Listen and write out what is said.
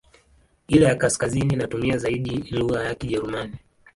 Ile ya kaskazini inatumia zaidi lugha ya Kijerumani.